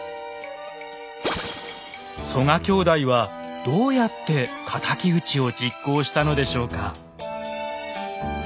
曽我兄弟はどうやって敵討ちを実行したのでしょうか。